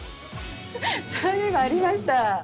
そういえばありました。